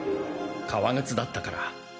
革靴だったから。